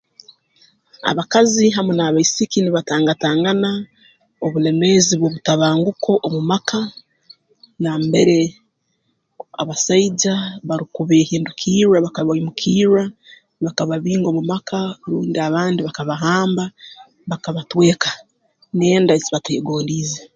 Abakazi hamu n'abaisiki nibatangatangana obulemeezi bw'obutabanguko omu maka nambere abasaija barukubehindukirra bakabaimukirra bakababinga omu maka rundi abandi bakabahamba bakabatweka n'enda ezi bateegondiize